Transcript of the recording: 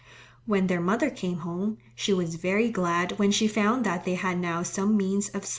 When their mother came home she was very glad when she found that they had now some means of sight.